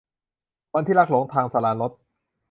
วันที่รักหลงทาง - สราญรส